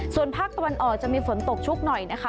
ส่วนภาคตะวันออกจะมีฝนตกชุกหน่อยนะคะ